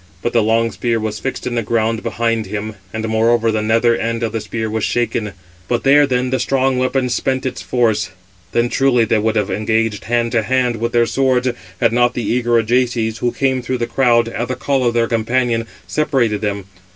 But the long spear was fixed in the ground behind him; and moreover the nether end of the spear was shaken; but there then the strong weapon spent its force. Then truly they would have engaged hand to hand with their swords, had not the eager Ajaces, who came through the crowd, at the call of their companion, separated them.